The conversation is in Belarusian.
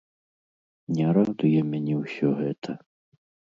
Не радуе мяне ўсё гэта!